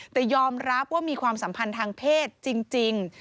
แต่ยอมรับว่ามีความสัมพันธ์ทางเพศจริง